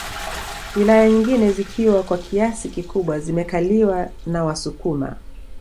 Wilaya nyingine zikiwa kwa kiasi kikubwa zimekaliwa na wasukuma